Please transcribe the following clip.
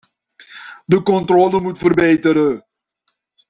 De controle moet verbeteren.